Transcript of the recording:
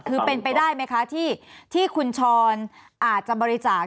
คือเป็นไปได้ไหมคะที่คุณชรอาจจะบริจาค